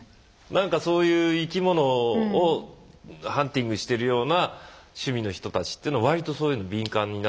何かそういう生き物をハンティングしてるような趣味の人たちというのは割とそういうの敏感になるのかなって。